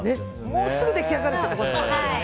もうすぐ出来上がるってところだったんですけどね。